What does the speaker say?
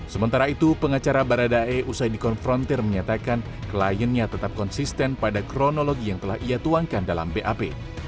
sementara itu pengacara baradae usai dikonfrontir menyatakan kliennya tetap konsisten pada kronologi yang telah ia tuangkan dalam bap